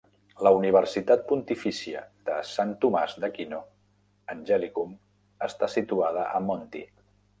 La Universitat Pontifícia de Sant Tomàs d'Aquino, "Angelicum", està situada a "Monti".